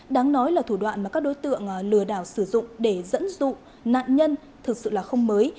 đáng nói là thủ đoạn mà các đối tượng lừa đảo sử dụng để dẫn dụ nạn nhân thực sự là không mới